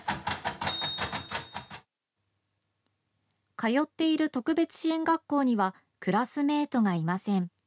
通っている特別支援学校にはクラスメイトがいません。